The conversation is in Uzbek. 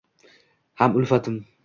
Ham ulfatim